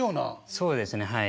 そうですねはい。